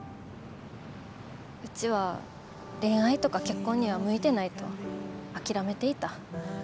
うちは恋愛とか結婚には向いてないと諦めていた。